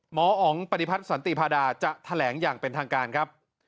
หมออ๋องปฏิพัฒน์สันติพาดาจะแถลงอย่างเป็นทางการครับ